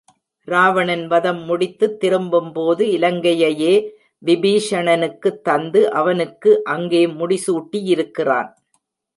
ராவணன் வதம் முடித்துத் திரும்பும்போது, இலங்கையையே விபீஷணனுக்குத் தந்து அவனுக்கு அங்கே முடிசூட்டியிருக்கிறான்.